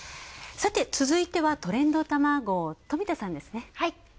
さて続いては「トレンドたまご」冨田さんですね。